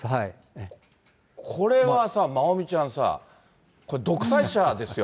これはさ、まおみちゃんさ、これ、独裁者ですよ。